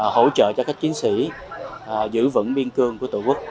hỗ trợ cho các chiến sĩ giữ vững biên cương của tổ quốc